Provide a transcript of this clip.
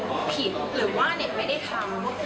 โพสต์อะไรที่ผิดหรือว่าเทียงไม่ได้ทำ